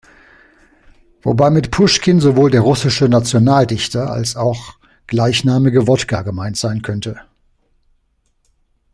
Wobei mit Puschkin sowohl der russische Nationaldichter als auch gleichnamige Wodka gemeint sein könnte.